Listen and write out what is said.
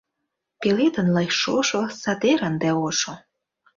Пеледын лай шошо, садер ынде ошо.